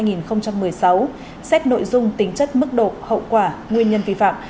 nhiệm kỳ hai nghìn một mươi một hai nghìn một mươi sáu xét nội dung tính chất mức độ hậu quả nguyên nhân vi phạm